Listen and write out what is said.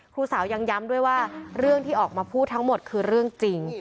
ครูสาวยังย้ำด้วยว่าเรื่องที่ออกมาพูดทั้งหมดคือเรื่องจริง